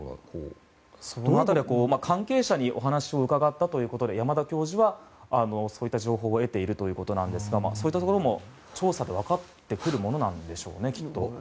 その辺りは、関係者にお話を伺ったということで山田教授は、そういった情報を得ているということですがそういったところも調査で分かってくるんですかね。